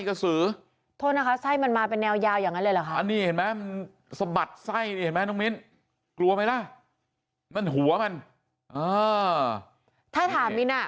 ก็สิรโทษนะคะใส่มันมาเป็นแนวยาวอย่างนั้นเลยหรอครับ